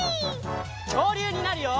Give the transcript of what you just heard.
きょうりゅうになるよ！